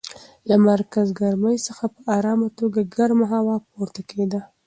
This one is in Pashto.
له مرکز ګرمۍ څخه په ارامه توګه ګرمه هوا پورته کېده.